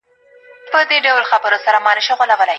ازادي د خلګو لخوا منل سوې ده.